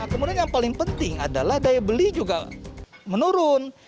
kemudian yang paling penting adalah daya beli juga menurun